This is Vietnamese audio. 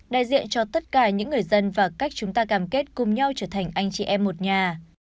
đại diện cho tất cả những người dân và cách chúng ta cam kết cùng nhau trở thành anh chị em một nhà